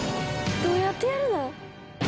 どうやってやるの？